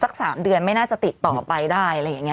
สัก๓เดือนไม่น่าจะติดต่อไปได้